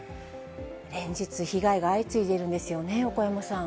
連日、被害が相次いでいるんですよね、横山さん。